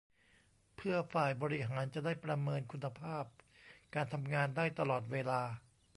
เพื่อฝ่ายบริหารจะได้ประเมินคุณภาพการทำงานได้ตลอดเวลา